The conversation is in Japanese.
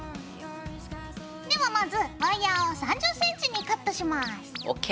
ではまずワイヤーを３０ｃｍにカットします。ＯＫ。